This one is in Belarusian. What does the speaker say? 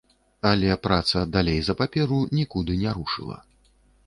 Але праца далей за паперу нікуды не рушыла.